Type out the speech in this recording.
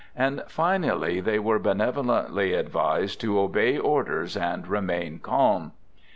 And finally they were benevolently advised to obey orders and " remain calm